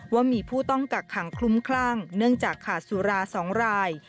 ว่ามีผู้ต้องกักขังคลุ้มคลั่งเนื่องจากขาดสุรา๒ราย